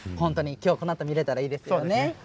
きょうこのあと見られたらいいですよね。